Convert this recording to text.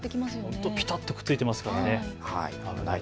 本当にぴたっとくっついていますからね。